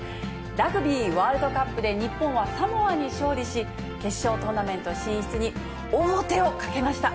ラグビーワールドカップで日本はサモアに勝利し、決勝トーナメント進出に王手をかけました。